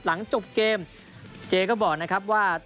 หลังจบเกมเจก็บอกนะครับว่า